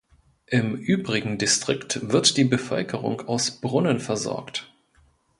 Im übrigen Distrikt wird die Bevölkerung aus Brunnen versorgt.